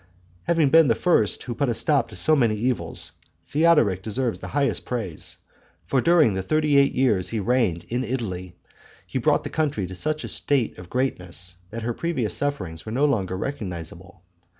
Having been the first who put a stop to so many evils, Theodoric deserves the highest praise: for during the thirty eight years he reigned in Italy, he brought the country to such a state of greatness that her previous sufferings were no longer recognizable.